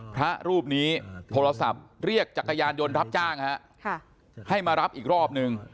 พระรูปนี้โทรศัพท์เรียกจักรยานยนต์รับจ้างให้มารับอีกรอบนึง